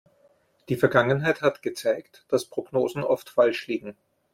Die Vergangenheit hat gezeigt, dass Prognosen oft falsch liegen.